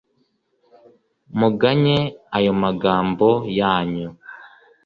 Muganye ayo magambo yanyu